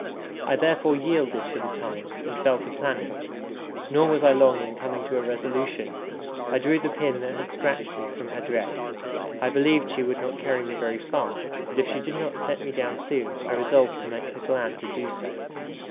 I therefore yielded for the time, and fell to planning. Nor was I long in coming to a resolution. I drew the pin that had scratched me from her dress. I believed she would not carry me very far; but if she did not set me down soon, I resolved to make her glad to do so.